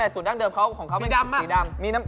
สูตรดังเดิมของเขาไม่มีดำ